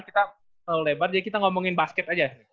kita lebar jadi kita ngomongin basket aja